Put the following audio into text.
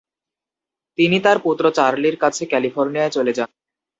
তিনি তার পুত্র চার্লির কাছে ক্যালিফোর্নিয়ায় চলে যান।